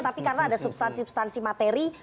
tapi karena ada substansi substansi materi